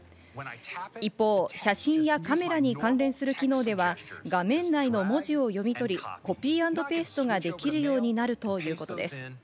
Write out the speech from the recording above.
一方、写真やカメラに関連する機能では画面内の文字を読み取り、コピー＆ペーストができるようになるということです。